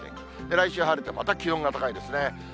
来週晴れて、また気温が高いですね。